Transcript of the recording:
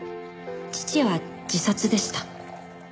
「父は自殺でした」